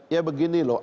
ya begini loh